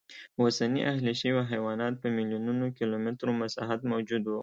اوسني اهلي شوي حیوانات په میلیونونو کیلومترو مساحت موجود و